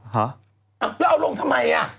ฮะแล้วเอาลงทำไมอ่ะ